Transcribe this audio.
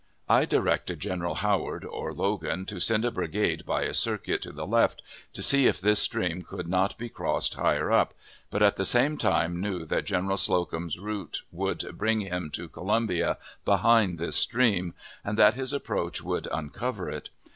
I directed General Howard or Logan to send a brigade by a circuit to the left, to see if this stream could not be crossed higher up, but at the same time knew that General Slocum's route world bring him to Colombia behind this stream, and that his approach would uncover it.